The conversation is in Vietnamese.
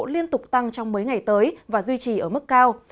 liên tục tăng trong mấy ngày tới và duy trì ở mức cao